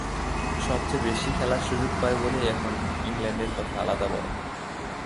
সবচেয়ে বেশি খেলার সুযোগ পায় বলেই এখানে ইংল্যান্ডের কথা আলাদা বলা।